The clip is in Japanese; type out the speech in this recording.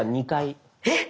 えっ！